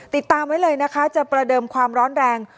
ติดตามไว้เลยนะคะจะประเดิมความร้อนแรง